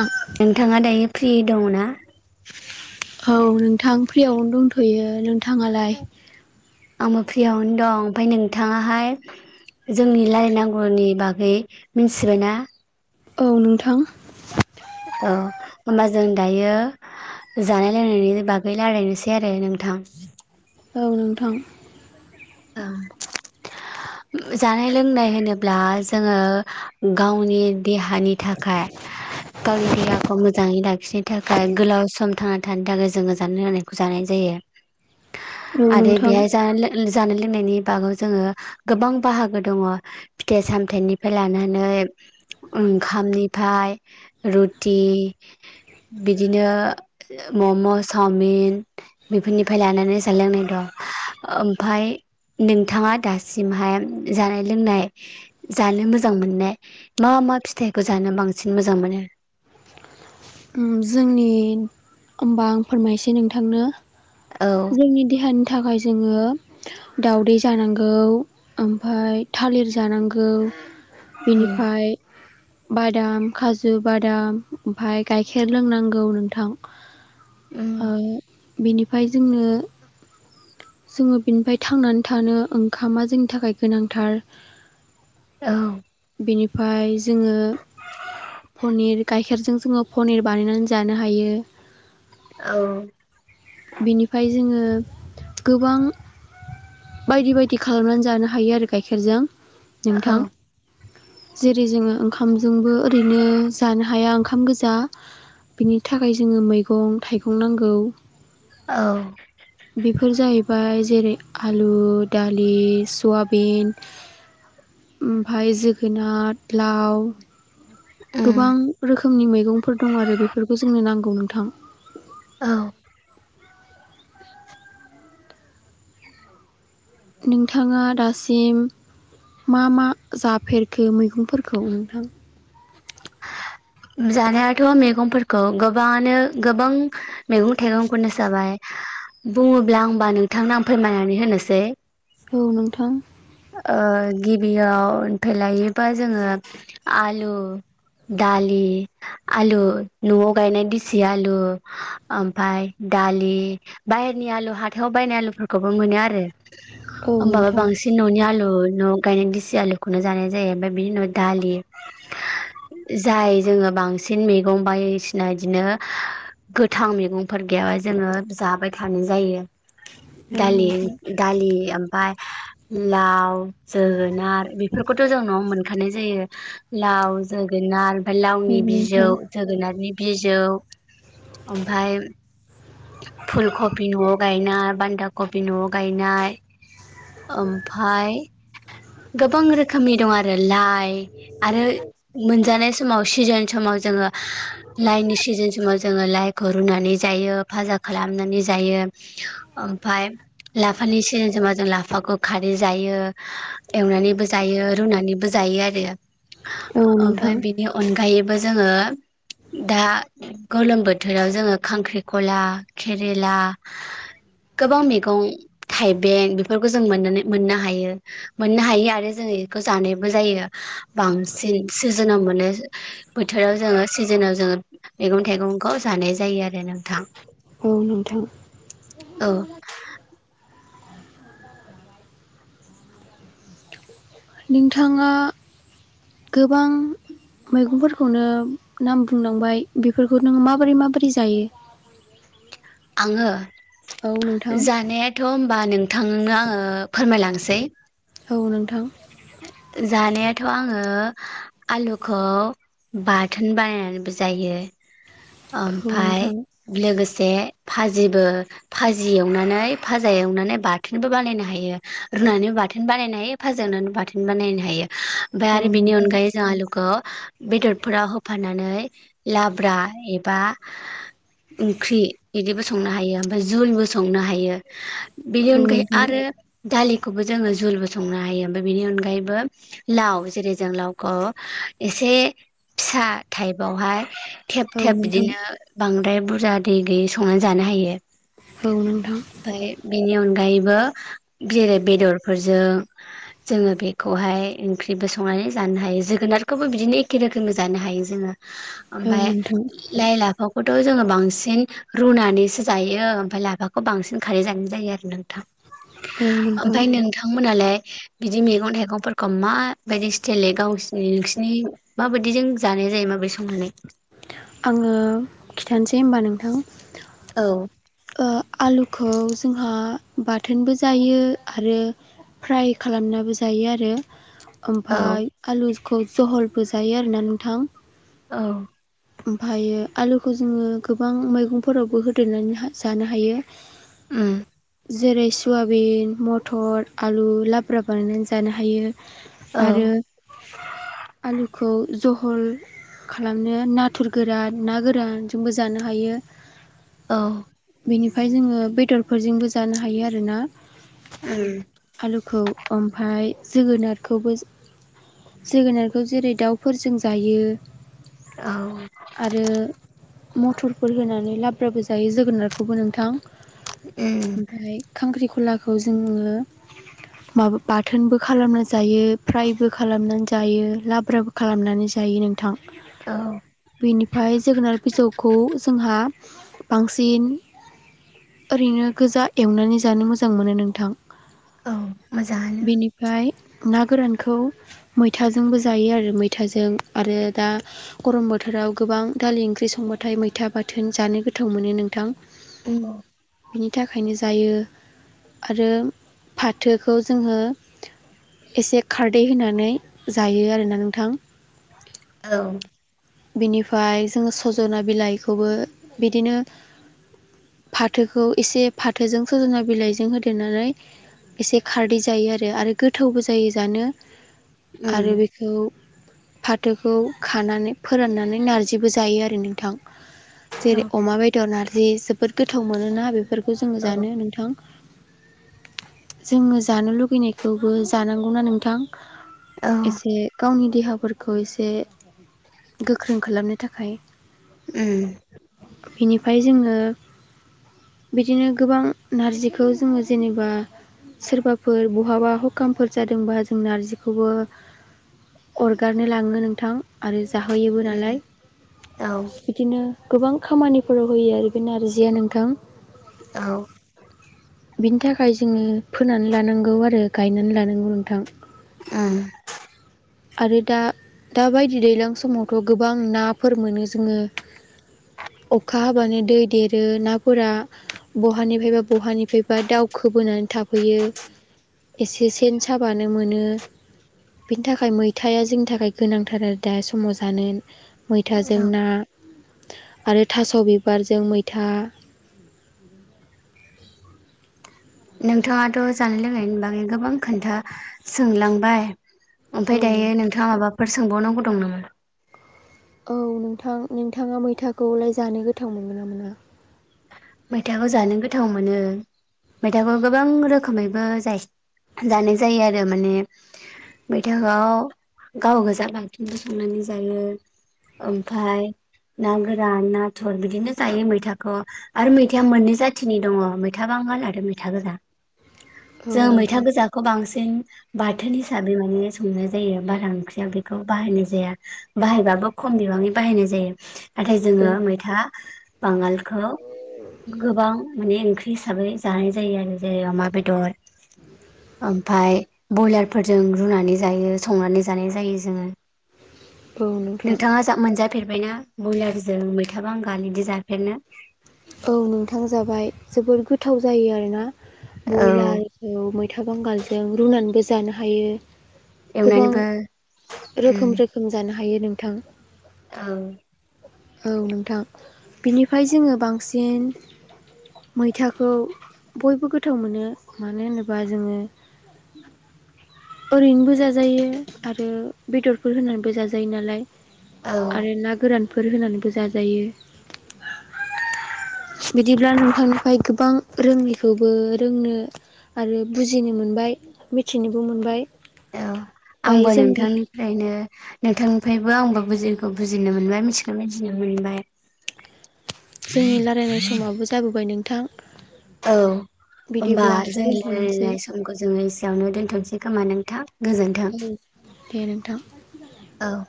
आं नोंथाङा दायो फ्रि दंना? औ नोंथां फ्रियावनो दंथ'यो नोंथाङालाय आंबो फ्रियावनो दं ओमफ्राय नोंथाङाहाय जोंनि रायलायनांगौनि बागै मिथिबायना औ नोंथां औ होमबा जों दायो जानाय लोंनायनि बागै रायलायनोसै आरो नोंथां औ नोंथां औ जानाय लोंनाय होनोब्ला जोङो गावनि देहानि थाखाय गावनि देहाखौ मोजाङै लाखिनो थाखाय गोलाव सम थांना थानो थाखाय जोङो जानाय लोंनायखौ जानाय जायो औ आरो नोंथां बेहाय जानाय लों जानाय लोंनायनि बागै जोङो गोबां बाहागो दङ फिथाइ सामथाइनिफ्राय लानानै ओंखामनिफ्राय रुटि बिदिनो मम' चावमिन बेफोरनिफ्राय लानानै जानाय लोंनाय दं ओमफाय नोंथाङा दासिमहाय जानाय लोंनाय जानो मोजां मोननाय मा मा फिथाइखौ जानो बांसिन मोजां मोनो जोंनि होमबा आं फोरमायसै नोंथांनो औ जोंनि देहानि थाखाय जोङो दाउदै जानांगौ ओमफ्राय थालिर जानांगौ उम बिनिफ्राय बादाम खाजु बादाम ओमफाय गाइखेर लोंनांगौ उम नोंथां बेनिफ्राय जोंनो जोङो बिनिफ्राय थांनानै थानो ओंखामा जोंनि थाखाय गोनांथार औ बेनिफ्राय जोङो पनिर गाइखेरजों जोङो पनिर बानायनानै जानो हायो औ बेनिफ्राय जोङो गोबां बायदि बायदि खालामनानै जानो हायो आरो गाइखेरजों औ नोंथां जेरै जोङो ओंखामजोंबो ओरैनो जानो हाया ओंखाम गोजा दा बिनि थाखाय जोङो मैगं थाइगं नांगौ औ बेफोर जाहैबाय जेरै आलु दालि सयाबिन ओमफाय जोगोनार लाउ उम गोबां रोखोमनि मैगं फोर दं आरो बेफोरखौ जोंनो नांगौ नोंथां औ नोंथाङा दासिम मा-मा जाफेरखो मैगंफोरखौ नोंथां जानायाथ' मैगंफोरखौ गोबाङानो गोबां मैगं थाइगंखौनो जाबाय बुङोब्ला होमबा नोंथांनो आं फोरमायनानै होनोसै औ नोंथां गिबियाव [unintelligible] लायोबा जोङो आलु दालि आलु न'आव गायनाय गेसि आलु ओमफाय दालि बाहेरनि आलु हाथायाव बायनाय आलुफोरखौबो मोनो आरो औ नोंथां बिनि आलु न' गायनाय दिसि आलुखौनो जानाय जायो ओमफ्राय बिनि उनाव दालि जाय जोङो बांसिन मैगं बायदिसिना इदिनो गोथां मैगंफोर बेयावहाय जोङो जाबाय थानाय जायो औ दालि नोंथां दालि ओमफाय लाव जोगोनार बेफोरखौथ' जों न'आव मोनखानाय जायो लाव जोगोनार ओमफ्राय औ लावनि बिजौ नोंथां जोगोनारनि बिजौ ओमफाय फुल कबि न'आव गायनाय बान्दा कबि न'आव गायनाय ओमफाय गोबां रोखोमनि दं आरो लाइ आरो मोनजानाय समाव सिजोन समाव जोङो लाइनि सिजोन समाव जेरै जोङो लाइखौ रुनानै जायो भाजा खालामनानै जायो ओमफाय लाफानि सिजेनाव जों लाफाखौ खारै जायो एवनानैबो जायो रुनानैबो जायो आरो औ नोंथां ओमफाय बेनि अनगायै बो जोङो दा गोलोम बोथोराव जोङो खांख्रिखला केरेला गोबां मैगं थाइबें बेफोरखौ जों मोनो मोननो हायो मोननो हायो आरो जोङो इखौ जानायबो जायो बांसिन सिजिन नाव मोनो बोथोराव जोङो सिजोनाव जोङो मैगं थाइगंखौ जानाय जायो आरो नोंथां औ नोंथां औ [inaudible] नोंथाङा गोबां मैगंफोरखौनो नाम बुंलांबाय बेफोरखौ नोङो माबोरै माबोरै जायो? आङो औ नोंथां । थ' होमबा नोंथांनो आङो फोरमायलांसै । औ नोंथां । जानायाथ' आङो आलुखौ बाथोन बानायनानैबो जायो औ ओमफ्राय नोंथां लोगोसे भाजिबो भाजि एवनानै फाजा एवनानै बाथोनबो बानायनो हायो रुनानै ब बाथोन बानायनो हायो फाजा एवनानैबो बाथोन बानायनो हायो ओमफ्राय औ आरो बिनि नोंथां अनगायै जों आलुखौ बेदरफोराव होफानानै लाब्रा एबा ओंख्रि बिदिबो संनो हायो ओमफ्राय जझुलबो संनो हायो । बेनि औ अनगायै नोंथां आरो दालिखौबो जोङो जुलबो संनो हायो ओमफ्राय बेनि अनगायै बो लाव जेरै जों लावखौ एसे फिसा टाइपावहाय थेब औ नोंथां औ थेब नोंथां बिदिनो बां द्राय बुरजा दै गैयै सं जानो हायो बेनि अनायैबो जेरै बेदरफोरजों जोङो बे खौहाय ओंख्रिबो संनानै जानो हायो जोगोनारखौबो बिदिनो एखे रोखोमै जानो हायो जोङो । औ ओमफ्राय नोंथां लाइ लाफाफोरखौ जोङो बांसिन रुनानैसो जायो ओमफ्राय लाफाखौ बांसिन खारै जानाय जायो आरो नोंथां औ । नोंथां ओमफ्राय नोंथांमोनालाय बिदि मैगं थाइगं मैगंफोरखौ माबायदि स्टाइलै गावसिनि नोंसोरनि माबायदिजों जानाय जायो माब्रै संनानै? आङो खिथानोसै होनबा नोंथां । औ ओ आलुखौ जोंहा बाथोनबो जायो आरो फ्राय खालामनाबो जायो आरो औ ओमफ्राय आलुखौ जहलबो जायो आरोना नोंथां । औ ओमफ्रायो आलुखौ जोङो गोबां मैगंफोरावबो होदेरनानै जानो हायो । ओम जेरै सयाबिन मटर आलु लाब्रा बानायनानै जानो हायो औ । आरो आलुखौ जहल खालामनो नाथुर गोरान ना गोरान जोंबो जानो हायो । औ बेनिफ्राय जोङो बेदरफोरजोंबो जानो हायो आरो ना । उम खौ ओमफ्राय जोगोनारखौबो जोगोनारखौ जेरै दाउफोरजों जायो औ । आरो मटरफोर होनानै लाब्राबो जायो जोगोनारखौ । खौबो नोंथां उम ओमफ्राय खांख्रिखलाखौ जोङो माबा बाथोनबो खालामनानै जायो फ्रायबो खालामनानै जायो लाब्राबो खालामनानै जायो नों थां औ बेनिफ्राय जोगोनार बिजौखौ जोंहा बांसिन ओरैनो गोजा एवनानै जानो मोजां मोनो नोंथां । औ मोजाङानो ना गोरानखौ मैथाजोंबो जायो आरो मैथाजों आरो दा गरम बोथोराव गोबां दालि ओंख्रि सं संबाथाय मैथा बाथोन जानो गोथाव मोनो नोंथां । औ बिनि थाखायनो जायो आरो फाथोखौ जोङो एसे खारदै होनानै जायो आरोना नोंथां । औ बिनिफ्राय जोङो सजना बिलाइखौबो बिदिनो फाथोखौ एसे फाथोजों सजना बिलाइजों होदेरनानै। एसे खारदै जायो आरो आरो गोथावबो जायो जानो उम आरो बेखौ। फाथोखौ खानानै फोराननानै नारजिबो जायो आरो नोंथां। औ जेरै अमा बेदर नारजि जोबोद गोथाव मोनोना बेखौ बेफोरखौ जोङो औ जानो नोंथां। जोङो जानो लुगैनायखौबो जानांगौना नोंथां? औ एसे गावनि देहाफोरखौ एसे गोख्रों खालामनो थाखाय उम। फाय जोङो बिदिनो गोबां नारजिखौ जोङो जेनेबा सोरबाफोर बहाबा हुखामफोर जादोंबा जों नारजिखौबो। अरगारनो लाङो नोंथां। आरो जाहोयोबो नालाय औ बिदिनो गोबां खामानि फोराव होयो आरो बे नारजिया नोंथां। औ। बेनि थाखाय जोङो फोनानै लानांगौ आरो गायनानै लानांगौ नोंथां। उम। आरो दा दाबायदि दैलां समावथ' गोबां नाफोर मोनो जोङो खा हाबानो दै देरो नाफोरा बहानिफ्रायबा बहानिफ्रायबा दावउखोबोनानै था फैयो एसे सेन साबानो मोनो बेनि थाखाय मैथाया जोंनि थाखाय गोनांथार आरो दा समाव जानो मैथाजों औ ना आरो। थास' बिबारजों मैथा नोंथाङाथ' जानाय लोंनायनि बागै गोबां खोन्था सोंलांबाय। औ ओमफ्राय दायो नोंथां नोंथाङा माबाफोर सोंबावनांगौ दं नामा? औ नोंथां नोंथाङा मैथाखौलाय जानो गोथाव मोनगोन ना मोना। मैथाखौ जानो गोथाव मोनो। मैथाखौ गोबां रोखोमैबो जायस जानाय जायो आरो माने। मैथाखौवाव गाव गोजा [unintelligible] संनानै जायो। ओमफ्राय ना गोरान नाथुर बिदिनो जायो मैथाखौ आरो मैथाया मोननै जाथिनि दङ मैथा बांगाल आरो मैथा गोजा औ जों मैथा नोंथां गोजाखौ बांसिन। बाथोन हिसाबै माने संनाय जायो बारा ओंख्रियाव बेखौ बाहायनाय जाया बाहायबाबो खमनि गोबाङै बाहायनाय जायो नाथाय औ जोङो मैथा बांगालखौ गोबां माने ओंख्रि हिसाबै जानाय जायो आरो जेरै अमा बेदर ओमफाय बयलारफोरजों रुनानै जायो संनानै जानाय जायो जोङो औ नोंथां नोंथाङा जा मोनजा फेरबायना बयलारजों मैथा बांगाल बिदि जाफेरनो औ नोंथां जाबाय जोबोद गोथाव जायो आरोना। औ बयलारखौ मैथा बांगालजों रुनानैबो जानो हायो। गोबां एवनानैबो रोखोम रोखोम जानो हायो नोंथां। आं औ नोंथां बिनिफ्राय जोङो बांसिन। मैथाखौ बयबो गोथाव मोनो मानो होनोबा जोङो। ओरैनोबो जाजायो आरो बेदरफोर होनानैबो जाजायो नालाय औ आरो ना गोरानफोर होनानैबो जाजायो। बिदिब्ला नोंथांनिफ्राय गोबां रोङैखौबो रोंनो। आरो बुजिनो मोनबाय मिथिनोबो मोन। औ आंबो नोंथांनिफ्रायनो नोंथांनिफ्रायबो आंबो बुजियैखौ बुजिनो मोनबाय मिथियैखौ मिथिनो मोनबाय जोंनि लारायनाय समाबो जाबोबाय नोंथां औ होमबा बिदिब्ला जों दोनथ'नोसै रायलायनाय समखौ जोङो एसेयावनो दोन्थ'नोसै खोमा नोंथां गोजोन्थों औ दे नोंथां औ